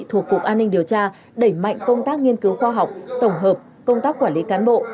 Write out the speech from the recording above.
thuộc cục an ninh điều tra đẩy mạnh công tác nghiên cứu khoa học tổng hợp công tác quản lý cán bộ